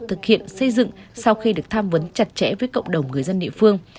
thực hiện xây dựng sau khi được tham vấn chặt chẽ với cộng đồng người dân địa phương